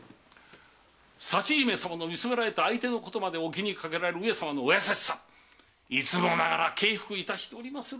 佐知姫様の見初められた相手のことまで気にかけられる上様のお優しさいつもながら敬服いたしておりまする。